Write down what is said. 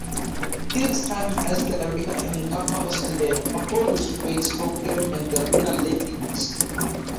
His time as director encompassed the Apollo space program and the lunar landings.